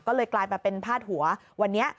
ก็เลยกลายมาเป็นพาดหัววันนี้